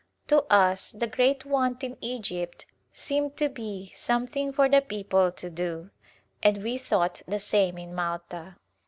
To us the great want in Egypt seemed to be some thing for the people to do, and we thought the same in Malta.